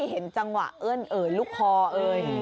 เห็นจังหวะเอิ้นเอ่ยลูกคอเอ่ย